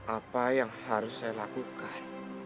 apa yang harus saya lakukan